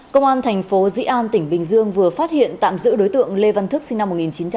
công an thành phố dĩ an tỉnh bình dương vừa phát hiện tạm giữ đối tượng lê văn thức sinh năm một nghìn chín trăm tám mươi